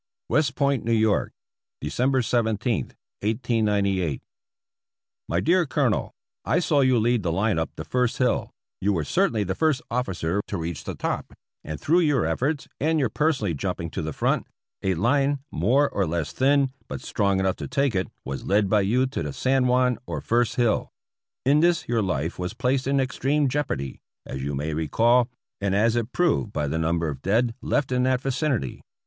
West Point, N. Y., December 17, 1898. My dear Colonel : I saw you lead the line up the first hill — you were certainly the first officer to reach the top — and through your efforts, and your personally jumping 301 APPENDIX E to the front, a line, more or less thin, but strong enough to take it, was led by you to the San Juan or first hill. In this your life was placed in extreme jeopardy, as you may recall, and as it proved by the number of dead left in that vicinity.